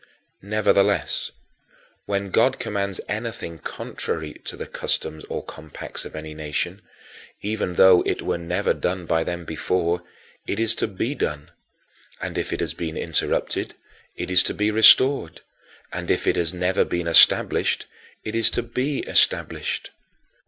Nevertheless, when God commands anything contrary to the customs or compacts of any nation, even though it were never done by them before, it is to be done; and if it has been interrupted, it is to be restored; and if it has never been established, it is to be established.